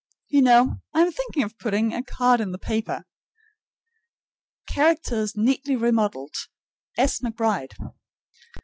You know, I am thinking of putting a card in the paper: Characters neatly remodeled. S. McBride.